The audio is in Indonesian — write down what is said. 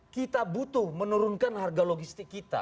kita butuh menurunkan harga logistik kita